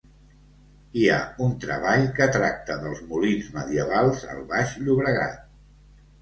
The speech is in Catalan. Hi ha un treball que tracta dels molins medievals al baix Llobregat.